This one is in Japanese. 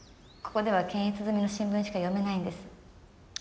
ここでは検閲済みの新聞しか読めないんです。